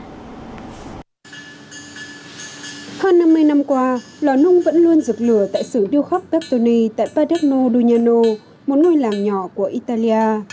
hơn năm mươi năm qua lò nung vẫn luôn rực lửa tại sử điêu khắp peptoni tại paderno dugnano một nơi làng nhỏ của italia